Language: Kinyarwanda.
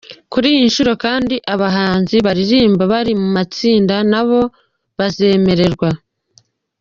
Kuri iyi nshuro kandi abahanzi barimba bari mu itsinda nabo bazemererwa.